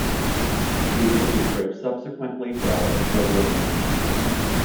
The manuscript subsequently fell into oblivion.